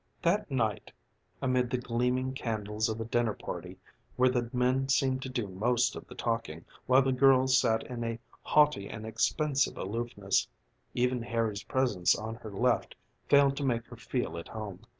That night, amid the gleaming candles of a dinner party, where the men seemed to do most of the talking while the girls sat in a haughty and expensive aloofness, even Harry's presence on her left failed to make her feel at home.